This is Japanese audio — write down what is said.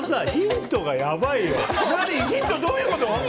ヒントどういうこと？